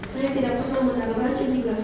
saya tidak pernah menanggung racun